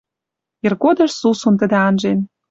Иргодыш сусун тӹдӹ анжен